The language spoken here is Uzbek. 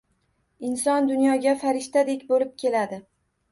Inson dunyoga farishtadek boʻlib keladi.